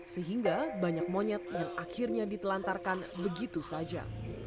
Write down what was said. sehingga banyak monyet yang akhirnya ditelantarkan begitu saja